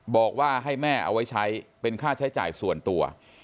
บอกว่าให้แม่เอาไว้ใช้เป็นค่าใช้จ่ายส่วนตัว